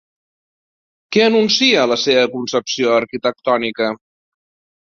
Què anuncia la seva concepció arquitectònica?